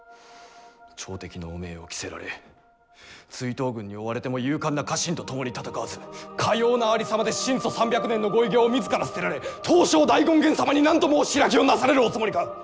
朝敵の汚名を着せられ追討軍に追われても勇敢な家臣と共に戦わずかようなありさまで神祖三百年のご偉業を自ら捨てられ東照大権現様に何と申し開きをなされるおつもりか！」。